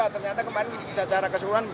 ternyata kemarin secara keseluruhan